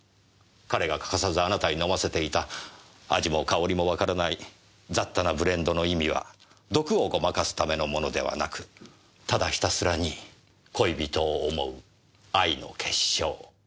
彼が欠かさずあなたに飲ませていた味も香りもわからない雑多なブレンドの意味は毒をごまかすためのものではなくただひたすらに恋人を思う愛の結晶。